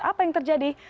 apa yang terjadi